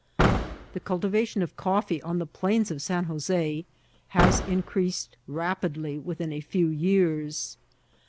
The cultivation of coffee on the plains of San Jos^ has increased rapidly within a few years.